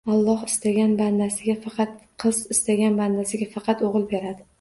Alloh istagan bandasiga faqat qiz, istagan bandasiga faqat o‘g‘il beradi.